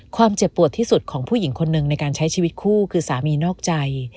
เจ็บปวดที่สุดของผู้หญิงคนหนึ่งในการใช้ชีวิตคู่คือสามีนอกใจ